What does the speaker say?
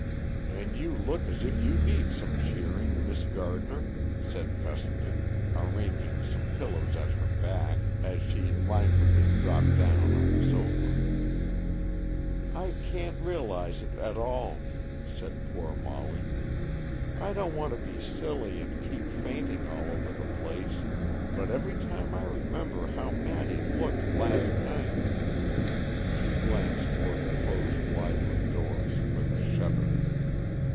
"And you look as if you need cheering, Miss Gardner," said Fessenden, arranging some pillows at her back, as she languidly dropped down on the sofa. "I can't realize it at all," said poor Molly; "I don't want to be silly and keep fainting all over the place, but every time I remember how Maddy looked last night——" She glanced toward the closed library doors with a shudder.